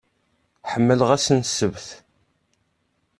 Ḥemmleɣ ass n ssebt.